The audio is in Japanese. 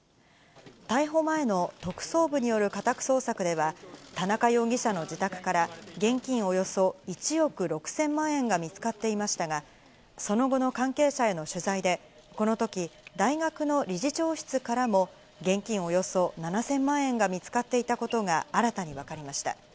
逮捕前の特捜部による家宅捜索では、田中容疑者の自宅から現金およそ１億６０００万円が見つかっていましたが、その後の関係者への取材で、このとき、大学の理事長室からも、現金およそ７０００万円が見つかっていたことが新たに分かりました。